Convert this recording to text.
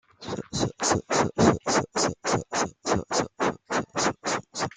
C'est un gobie nain qui ne mesure que de long.